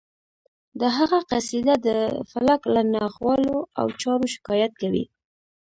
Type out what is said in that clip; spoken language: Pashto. د هغه قصیده د فلک له ناخوالو او چارو شکایت کوي